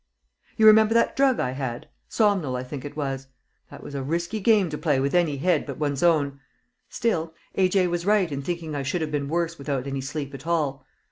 "You remember that drug I had? Somnol I think it was. That was a risky game to play with any head but one's own; still A. J. was right in thinking I should have been worse without any sleep at all.